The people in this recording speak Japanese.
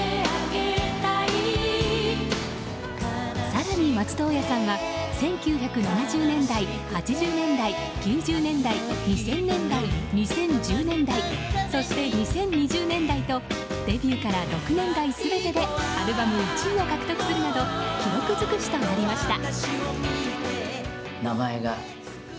更に、松任谷さんは１９７０年代、８０年代９０年代、２０００年代２０１０年代そして２０２０年代とデビューから６年代全てでアルバム１位を獲得するなど記録尽くしとなりました。